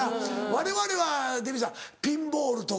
われわれはデヴィさんピンボールとか。